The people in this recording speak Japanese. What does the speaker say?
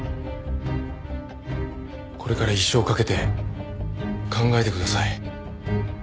これから一生かけて考えてください。